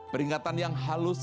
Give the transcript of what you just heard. peringatan yang halus